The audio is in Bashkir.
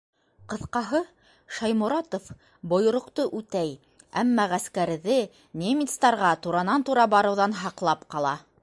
Ҡыҫҡаһы, Шайморатов бойороҡто үтәй, әммә ғәскәрҙе немецтарға туранан-тура барыуҙан һаҡлап ҡала.